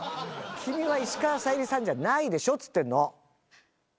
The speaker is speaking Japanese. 君は石川さゆりさんじゃないでしょっつってんの。